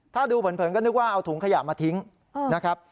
ถ้าดูเผินก็นึกว่าเอาถุงขยะมาทิ้งนะครับ